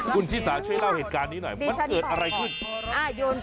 คุณชิสาช่วยเล่าเหตุการณ์นี้หน่อยมันเกิดอะไรขึ้น